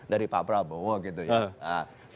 dari pak prabowo gitu ya